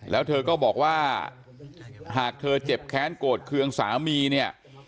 แล้วเธอก็บอกว่าหากเธอเจ็บแค้นโกรธเคืองสามีเนี่ย